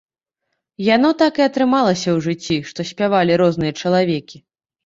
Яно так і атрымалася ў жыцці, што спявалі розныя чалавекі.